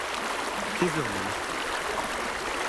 地図を見ました。